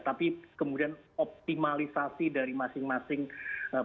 tapi kemudian optimalisasi dari masing masing pihak